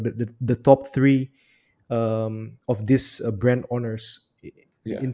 adalah tiga terbaik dari pemilik perusahaan ini